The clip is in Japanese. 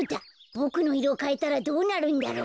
ボクのいろをかえたらどうなるんだろう。